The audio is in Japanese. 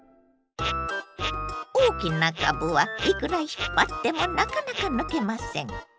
大きなかぶはいくら引っ張ってもなかなか抜けません。